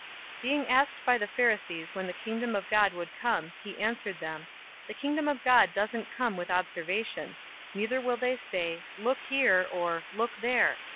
017:020 Being asked by the Pharisees when the Kingdom of God would come, he answered them, "The Kingdom of God doesn't come with observation; 017:021 neither will they say, 'Look, here!' or, 'Look, there!'